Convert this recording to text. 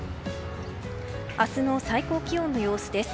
明日の最高気温の様子です。